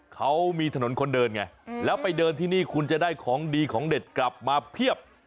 เขามีถนนคนเดินไงแล้วไปเดินที่นี่คุณจะได้ของดีของเด็ดกลับมาเพียบ